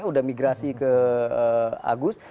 sudah migrasi ke agus